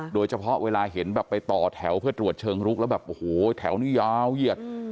โดยเฉพาะเวลาเห็นไปต่อแถวเพื่อตรวจเชิงรุกแล้วแบบแถวนี้ยาวเย็ด